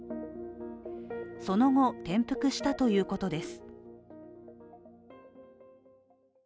その後、転覆したということです。